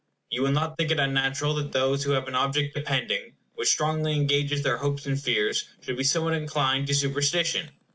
You will not think it unnatural that those who have an object depending, which strongly engages their hopes and fears, should be somewhat inclined to superstition.